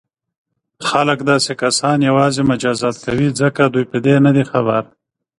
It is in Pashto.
خلک داسې کسان یوازې مجازات کوي ځکه دوی په دې نه دي خبر.